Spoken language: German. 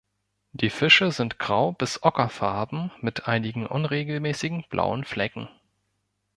Die Fische sind grau bis ockerfarben mit einigen unregelmäßigen blauen Flecken.